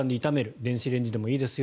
電子レンジでもいいですよ。